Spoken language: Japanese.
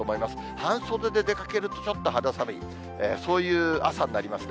半袖で出かけると、ちょっと肌寒い、そういう朝になりますね。